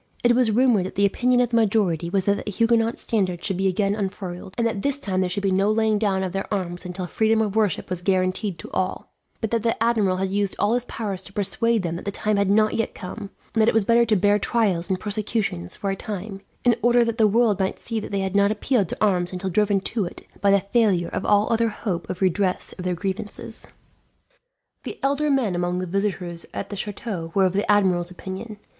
It was rumoured that the opinion of the majority was that the Huguenot standard should be again unfurled, and that this time there should be no laying down of their arms until freedom of worship was guaranteed to all; but that the admiral had used all his powers to persuade them that the time had not yet come, and that it was better to bear trials and persecutions, for a time, in order that the world might see they had not appealed to arms until driven to it by the failure of all other hope of redress of their grievances. The elder men among the visitors at the chateau were of the admiral's opinion.